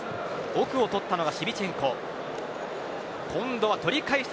奥を取ったのがシビチェンコです。